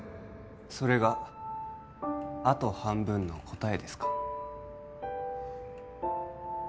それがあと半分の答えですか？